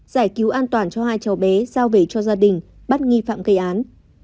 giải cứu an toàn cho hai cháu bé giao về cho gia đình bắt nghi phạm gây án